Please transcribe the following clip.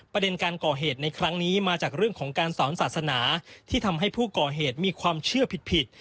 ประเด็นการก่อเหตุในครั้งนี้มาจากเรื่องของการสอนศาสนาที่ทำให้ผู้ก่อเหตุมีความเชื่อผิด